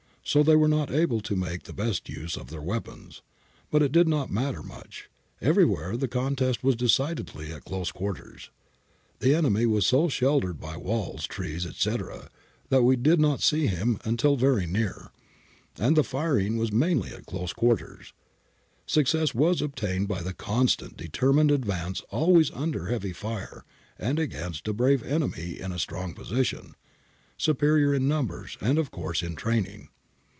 So they were not able to make the best use of their weapons. But it did not matter much ; everywhere the contest was decidedly at close quarters. The enemy was so sheltered by walls, trees, etc., that we did not see him till very near, and the firing was mainly at close quarters. Success was obtained by the constant, determined advance always under heavy fire and against a brave enemy in a strong position, superior in numbers and of course in training.